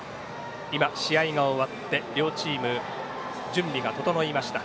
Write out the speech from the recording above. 今、試合が終わって両チーム準備が整いました。